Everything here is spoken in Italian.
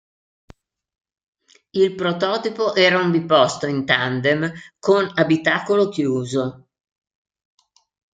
Il prototipo era un biposto in tandem con abitacolo chiuso.